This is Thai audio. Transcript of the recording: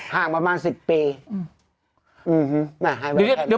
ห่างประมาณ๑๐ปี